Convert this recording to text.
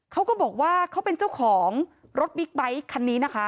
เขาก็บอกว่าเขาเป็นเจ้าของรถบิ๊กไบท์คันนี้นะคะ